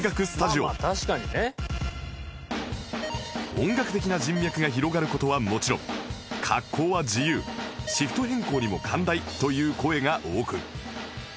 音楽的な人脈が広がる事はもちろん「格好は自由」「シフト変更にも寛大」という声が多く